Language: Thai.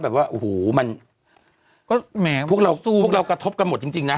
แบบว่าโอ้โหมันพวกเราพวกเรากระทบกันหมดจริงจริงนะฮะ